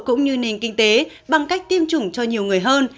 cũng như nền kinh tế bằng cách tiêm chủng cho nhiều người hơn